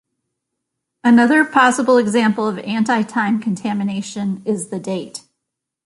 Another possible example of anti-time contamination is the date.